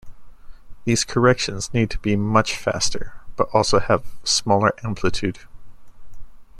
These corrections need to be much faster, but also have smaller amplitude.